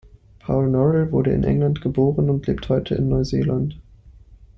Paul Norell wurde in England geboren und lebt heute in Neuseeland.